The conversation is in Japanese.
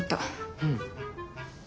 うん。